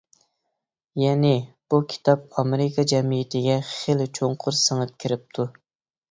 يەنى، بۇ كىتاب ئامېرىكا جەمئىيىتىگە خېلى چوڭقۇر سىڭىپ كىرىپتۇ.